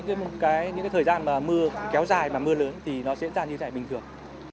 nhất là những thời gian mưa kéo dài và mưa lớn thì nó diễn ra như thế này bình thường